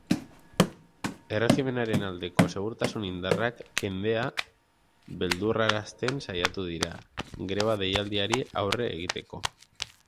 Erregimenaren aldeko segurtasun indarrak kendea beldurrarazten saiatu dira greba deialdiari aurre egiteko.